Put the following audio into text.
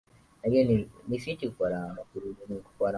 virusi vikishazoea dawa za aina zote hakuna namna ya kutibiwa